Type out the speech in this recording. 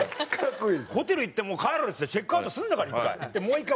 ホテル行ってもう帰るっつってチェックアウトするんだから１回。